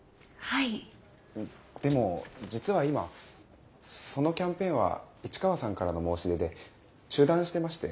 でも実は今そのキャンペーンは市川さんからの申し出で中断してまして。